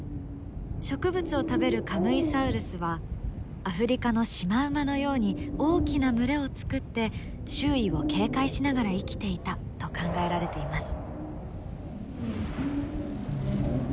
植物を食べるカムイサウルスはアフリカのシマウマのように大きな群れを作って周囲を警戒しながら生きていたと考えられています。